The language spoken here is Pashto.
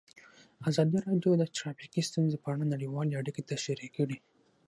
ازادي راډیو د ټرافیکي ستونزې په اړه نړیوالې اړیکې تشریح کړي.